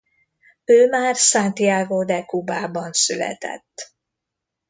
Ő már Santiago de Kubában született.